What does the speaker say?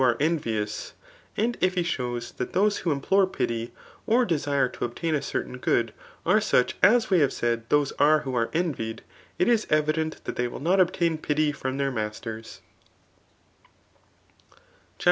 are envious ; and if he shows that those who implore' pity, or desire to obtain a certain good, are such as we have said those are who are envidd, it is evident that they will not obtain |Mty from their masters^ CHAP.